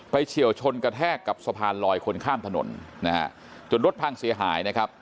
เฉียวชนกระแทกกับสะพานลอยคนข้ามถนนนะฮะจนรถพังเสียหายนะครับ